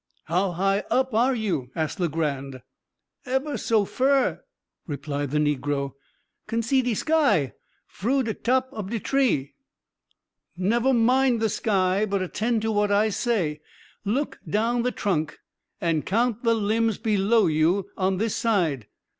"How high up are you?" asked Legrand. "Ebber so fur," replied the negro; "can see de sky fru de top ob de tree." "Never mind the sky, but attend to what I say. Look down the trunk and count the limbs below you on this side.